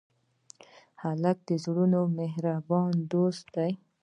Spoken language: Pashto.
هلک د زړونو مهربان دوست دی.